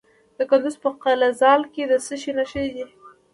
د کندز په قلعه ذال کې د څه شي نښې دي؟